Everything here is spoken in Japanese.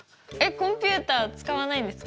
コンピューター使わないんですか？